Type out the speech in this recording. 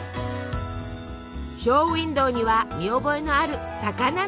ショーウインドーには見覚えのある魚のイラスト。